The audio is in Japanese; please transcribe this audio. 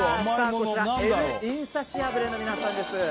こちらエル・インサシアブレの皆さんです。